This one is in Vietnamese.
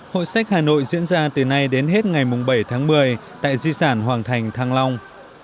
hội sách hà nội diễn ra từ nay đến hết ngày bảy tháng một mươi tại di sản hoàng thành thăng long